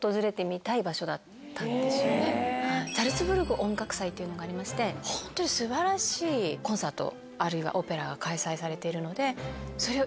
ザルツブルク音楽祭っていうのがありましてホントに素晴らしいコンサートあるいはオペラが開催されているのでそれを。